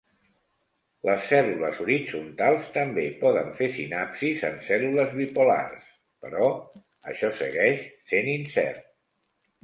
Les cèl·lules horitzontals també poden fer sinapsis en cèl·lules bipolars, però això segueix sent incert.